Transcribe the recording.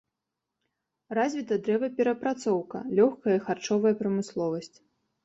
Развіта дрэваперапрацоўка, лёгкая і харчовая прамысловасць.